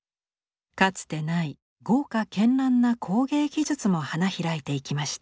かつてない豪華絢爛な工芸技術も花開いていきました。